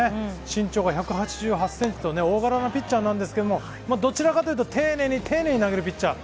身長が１８８センチと大柄なピッチャーなんですけど、どちらかというと、丁寧に丁寧に投げるピッチャー。